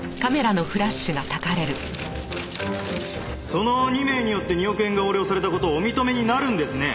その２名によって２億円が横領された事をお認めになるんですね？